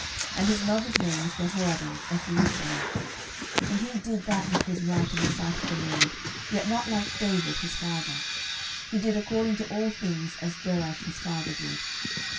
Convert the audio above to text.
And his mother's name was Jehoaddan of Jerusalem. 12:014:003 And he did that which was right in the sight of the LORD, yet not like David his father: he did according to all things as Joash his father did.